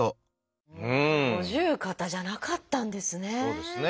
五十肩じゃなかったんですね。